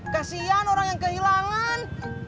kasian orang yang kehilangan